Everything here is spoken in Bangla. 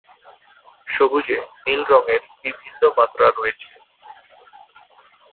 সবজে নীল রঙের বিভিন্ন মাত্রা রয়েছে।